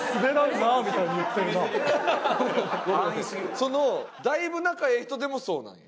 そのだいぶ仲ええ人でもそうなんや？